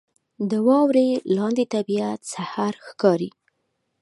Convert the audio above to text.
• د واورې لاندې طبیعت سحر ښکاري.